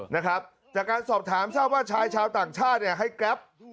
นะครับจากการสอบถามทราบว่าชายชาวต่างชาติเนี่ยให้แกรป